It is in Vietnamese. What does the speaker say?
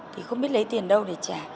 thì không biết lấy tiền đâu để trả